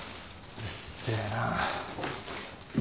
うっせえな。